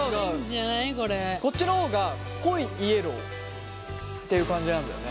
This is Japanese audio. こっちの方が濃いイエローっていう感じなんだよね。